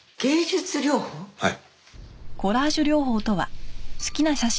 はい。